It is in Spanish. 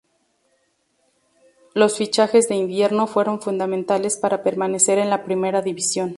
Los fichajes de invierno fueron fundamentales para permanecer en la Primera División.